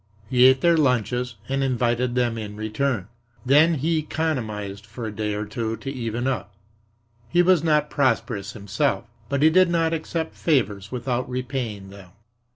He ate their lunches and invited them in return. Then he economized for a day or two to even up. He was not prosperous himself, but he did not accept favors without repaying them.